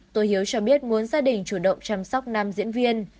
tôi hiếu cho biết muốn gia đình chủ động chăm sóc nam diễn viên